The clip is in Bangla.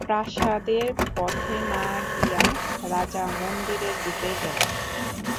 প্রাসাদের পথে না গিয়া রাজা মন্দিরের দিকে গেলেন।